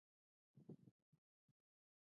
احمد سرهندي یو مشهور مذهبي عالم او صوفي و.